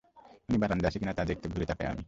উনি বারান্দায় আছে কি না তা দেখতে ঘুরে তাকাই আমি।